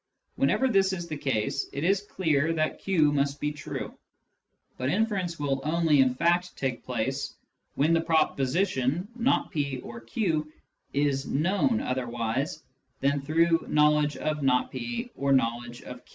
Whenever this is the case, it is clear that q must be true. But inference will only in fact take place when the proposition " not p or q " is known otherwise than through knowledge of not p or knowledge of q.